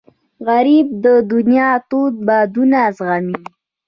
غریب د دنیا تود بادونه زغمي